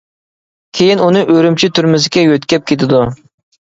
كېيىن ئۇنى ئۈرۈمچى تۈرمىسىگە يۆتكەپ كېتىدۇ.